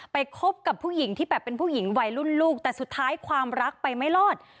คบกับผู้หญิงที่แบบเป็นผู้หญิงวัยรุ่นลูกแต่สุดท้ายความรักไปไม่รอด